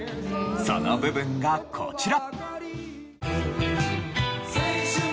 その部分がこちら。